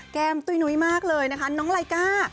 แก้มตุ้ยนุ้ยมากเลยนะคะน้องลายก้า